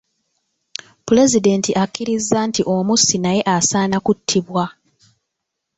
Pulezidenti akkiriza nti omussi naye asaana kuttibwa.